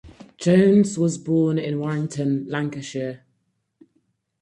Jones was born in Warrington, Lancashire.